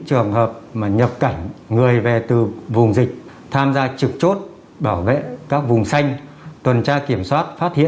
cho nó một cách chắc chắn nhất